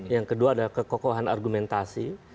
yang kedua adalah kekokohan argumentasi